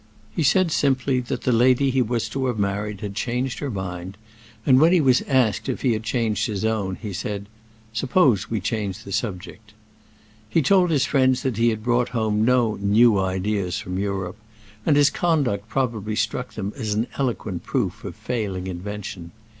He said simply that the lady he was to have married had changed her mind, and when he was asked if he had changed his own, he said, "Suppose we change the subject." He told his friends that he had brought home no "new ideas" from Europe, and his conduct probably struck them as an eloquent proof of failing invention.